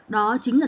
đó chính là